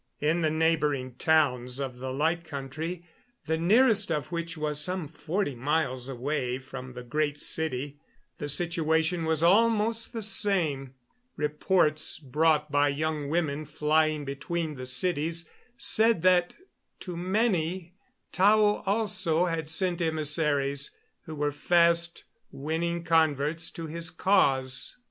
In the neighboring towns of the Light Country the nearest of which was some forty miles away from the Great City the situation was almost the same. Reports brought by young women flying between the cities said that to many Tao also had sent emissaries who were fast winning converts to his cause.